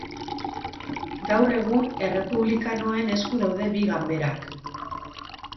Gaur egun, errepublikanoen esku daude bi ganberak.